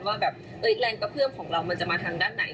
ว่าแบบแรงกระเพื่อมของเรามันจะมาทางด้านไหน